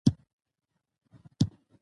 د خلکو غږ چوپ نه پاتې کېږي